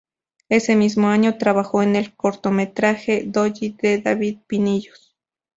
Ese mismo año trabajó en el cortometraje "Dolly", de David Pinillos.